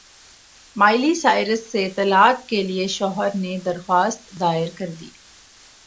Miley Cyrus سے طلاق کے لیے شوہر نے درخواست دائر کردی